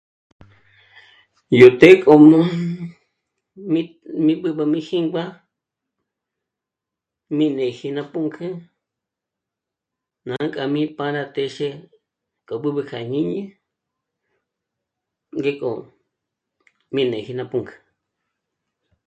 Yó té k'o jmûn mi mi b'ǜb'ü mijingwa mì néji na pùnkjü ná k'a mi para téxe k'a b'ǜb'ü ja jñìñi gé k'o mi neji na pùnkjü